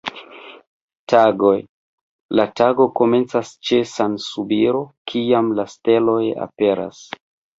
Tagoj: la tago komencas ĉe sunsubiro, kiam la steloj aperas.